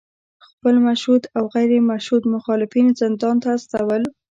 خپل مشهود او غیر مشهود مخالفین زندان ته استول